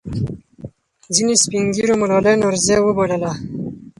ځینې سپین ږیرو ملالۍ نورزۍ وبلله.